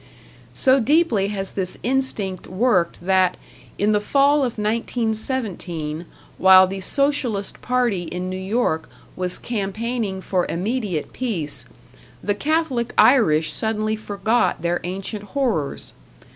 So deeply has this instinct worked that, in the fall of 1917 while the Socialist party in New York was campaigning for immediate peace, the Catholic Irish suddenly forgot their ancient horrors.